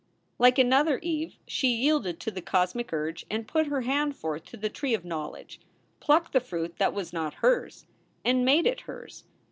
Like another Eve, she yielded to the cosmic urge and put her hand forth to the tree of knowledge, plucked the fruit that was not hers, and made it hers.